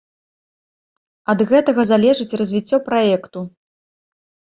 Ад гэтага залежыць развіццё праекту.